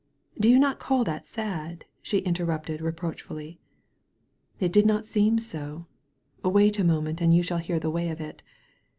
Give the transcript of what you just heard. "Do you call that not sad?" she interrupted re proachfully. "It did not seem so. Wait a moment and you shall hear the way of it.